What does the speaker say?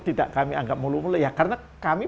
tidak kami anggap mulu mulu ya karena kami